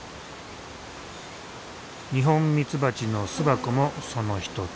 ニホンミツバチの巣箱もその一つ。